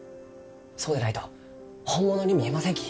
そうでないと本物に見えませんき。